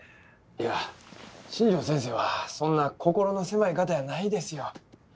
いや新城先生はそんな心の狭い方やないですよ。